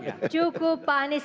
cukup cukup pak anies